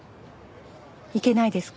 いけないですか？